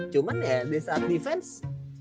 cuman ya disaat defense